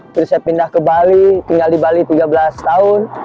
terus saya pindah ke bali tinggal di bali tiga belas tahun